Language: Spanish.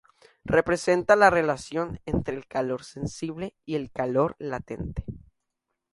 Representa la relación entre el calor sensible y el calor latente.